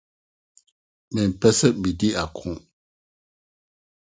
Mempɛ sɛ midi ako.